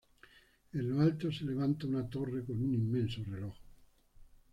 En lo alto, se levanta una torre con un inmenso reloj.